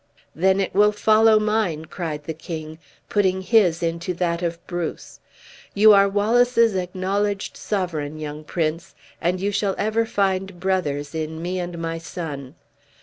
"Then it will follow mine!" cried the king, putting his into that of Bruce; "You are Wallace's acknowledged sovereign, young prince, and you shall ever find brothers in me and my son!